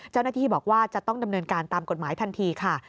เจ้าหน้าที่บอกว่าจะต้องดำเนินการตามกฎหมายทันทีค่ะ